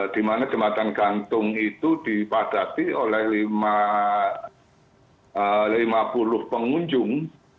di mana jembatan gantung itu dipadati oleh lima puluh pengunjung